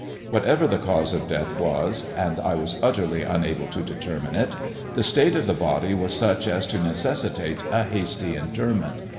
Whatever the cause of death was — and I was utterly unable to determine it — the state of the body was such as to necessitate a hasty inter ment.